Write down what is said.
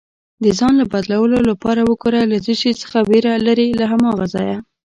د ځان له بدلون لپاره وګوره له څه شي څخه ویره لرې، له هماغه ځایه